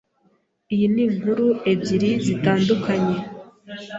Iyi ninkuru ebyiri zitandukanye.